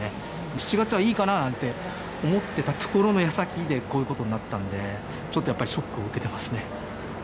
７月はいいかななんて思ってたところのやさきでこういうことになったので、ちょっとやっぱりショックを受けてますね。